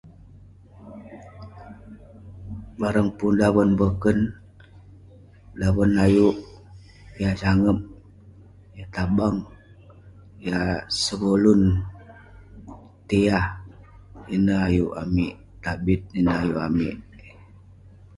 bareng pun daven boken, daven ayuk..yah sangep, yah tabang, yah sevolun, tiah..ineh ayuk amik..tabit ineh ayuk amik..